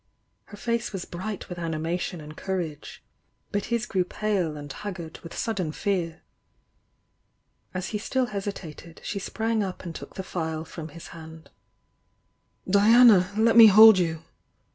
Her face was bright with animation and courage — but his grew pale and haggard with sudden fear. As he still hesitated, she sprang up aiiL^ took the phial from his hand. "Diana! Let me hold you!"